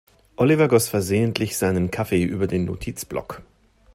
Oliver goss versehentlich seinen Kaffee über den Notizblock.